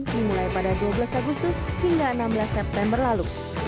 dimulai pada dua belas agustus hingga enam belas september lalu